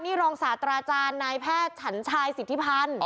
นี่รองศาสตราจารย์นายแพทย์ฉันชายสิทธิพันธ์